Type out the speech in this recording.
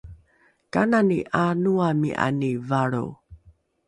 kanani ’aanoami’ani valro?